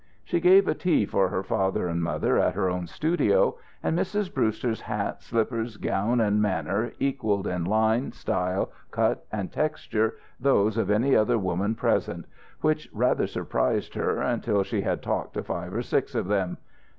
She gave a tea for her father and mother at her own studio, and Mrs. Brewster's hat, slippers, gown and manner equalled in line, style, cut and texture those of any other woman present, which rather surprised her until she had talked to five or six of them.